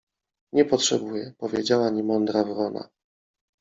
— Nie potrzebuję — powiedziała niemądra wrona.